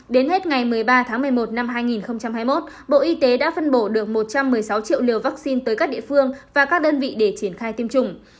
đến hết ngày một mươi ba tháng một mươi một năm hai nghìn hai mươi một bộ y tế đã phân bổ được một trăm một mươi sáu triệu liều vaccine tới các địa phương và các đơn vị để triển khai tiêm chủng